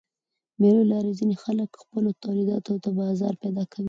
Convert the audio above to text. د مېلو له لاري ځيني خلک خپلو تولیداتو ته بازار پیدا کوي.